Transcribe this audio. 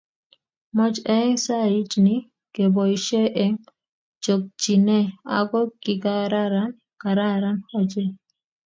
Moch eng sait ni keboisie enh chokchinee ako kikararan kararan ochei.